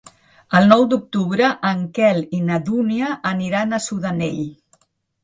El nou d'octubre en Quel i na Dúnia aniran a Sudanell.